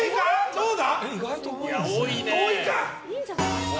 どうだ？